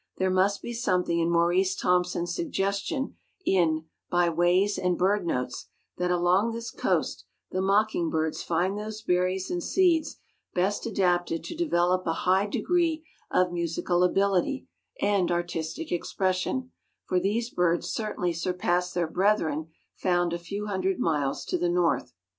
There must be something in Maurice Thompson's suggestion in "By Ways and Bird Notes" that along this coast the mocking birds find those berries and seeds best adapted to develop a high degree of musical ability and artistic expression, for these birds certainly surpass their brethren found a few hundred miles to the north.